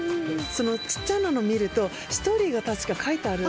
そのちっちゃいのを見るとストーリーが確か書いてある。